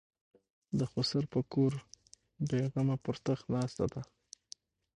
د خسر په کور بېغمه پر تخت ناسته ده.